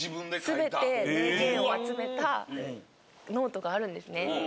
全て名言を集めたノートがあるんですね。